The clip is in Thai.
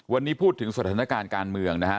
วันนี้พูดถึงสถานการณ์การเมืองนะฮะ